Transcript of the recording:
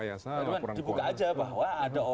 dibuka aja bahwa ada